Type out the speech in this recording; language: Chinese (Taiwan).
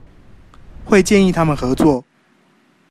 會建議他們合作